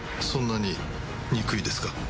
そんなに憎いですか？